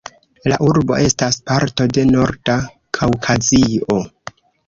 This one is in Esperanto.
La urbo estas parto de Norda Kaŭkazio.